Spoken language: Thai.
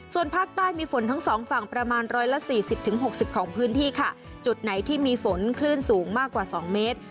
ส่วนภาคใต้มีฝนทั้งสองฝั่งประมาณร้อยละสี่สิบถึงหกสิบของพื้นที่ค่ะจุดไหนที่มีฝนคลื่นสูงมากกว่า๒เมตร